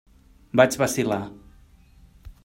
Vaig vacil·lar.